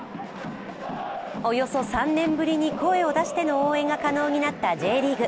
およそ３年ぶりに声を出しての応援が可能になったＪリーグ。